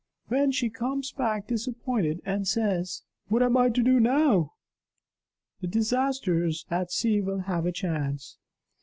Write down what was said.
When she comes back disappointed and says: 'What am I to do now?' the 'Disasters at Sea' will have a chance.